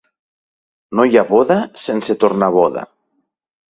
No hi ha boda sense tornaboda.